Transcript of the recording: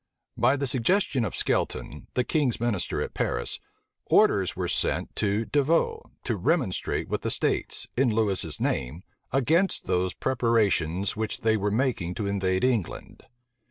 By the suggestion of Skelton, the king's minister at Paris, orders were sent to D'Avaux to remonstrate with the states, in Lewis's name, against those preparations which they were making to invade England.